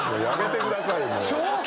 やめてくださいもう。